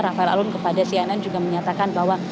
rafael alun kepada cnn juga menyatakan bahwa